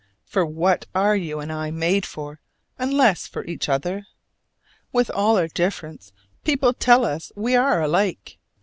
For what are you and I made for unless for each other? With all our difference people tell us we are alike.